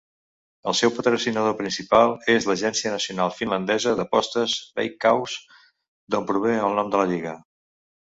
El seu patrocinador principal és l'agència nacional finlandesa d'apostes Veikkaus, d'on prové el nom de la lliga.